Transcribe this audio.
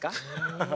ハハハ。